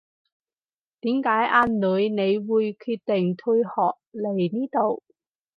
點解阿女你會決定退學嚟呢度